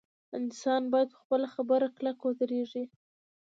انسان باید په خپله خبره کلک ودریږي.